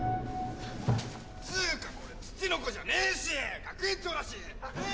・っつうかこれツチノコじゃねえし学園長だし！